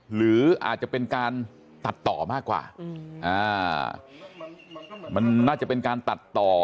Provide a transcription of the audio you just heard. หรืออาจจะเป็นการตัดต่อมากกว่ามันน่าจะเป็นการตัดต่อ